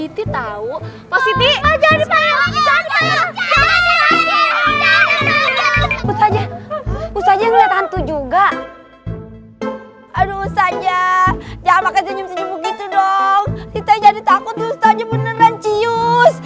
terus aja jangan makin senyum senyum begitu dong kita jadi takut justanya beneran cius